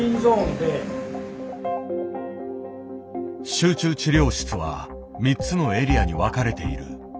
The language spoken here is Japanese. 集中治療室は３つのエリアに分かれている。